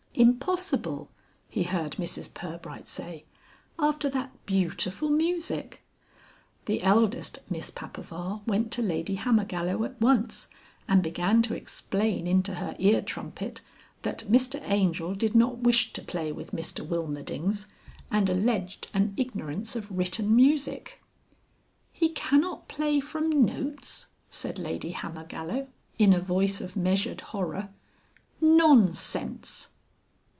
"Impossible!" he heard Mrs Pirbright say; "after that beautiful music." The eldest Miss Papaver went to Lady Hammergallow at once, and began to explain into her ear trumpet that Mr Angel did not wish to play with Mr Wilmerdings, and alleged an ignorance of written music. "He cannot play from Notes!" said Lady Hammergallow in a voice of measured horror. "Non sense!"